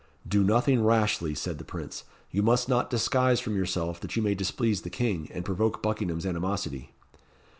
"Do nothing rashly," said the Prince. "You must not disguise from yourself that you may displease the King, and provoke Buckingham's animosity."